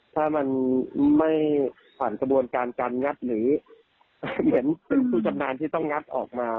ถ้ามันไม่ผ่านกระบวนการการงัดหรือเหมือนขุมศัพนานที่ต้องการย่อมมา